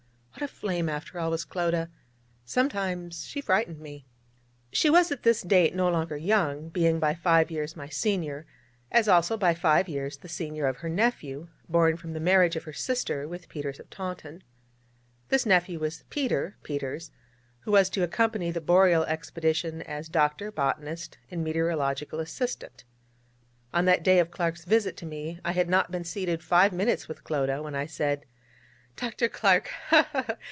What a flame, after all, was Clodagh! Sometimes she frightened me. She was at this date no longer young, being by five years my senior, as also, by five years, the senior of her nephew, born from the marriage of her sister with Peters of Taunton. This nephew was Peter Peters, who was to accompany the Boreal expedition as doctor, botanist, and meteorological assistant. On that day of Clark's visit to me I had not been seated five minutes with Clodagh, when I said: 'Dr. Clark ha! ha!